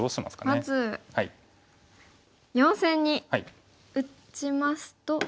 まず４線に打ちますと。